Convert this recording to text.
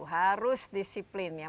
harus disiplin ya